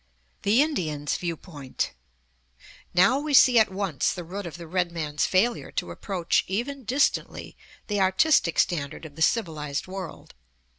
THE INDIAN'S VIEWPOINT Now we see at once the root of the red man's failure to approach even distantly the artistic standard of the civilized world.